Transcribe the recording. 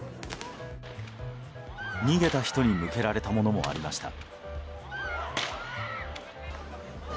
逃げた人に向けられたものもありました。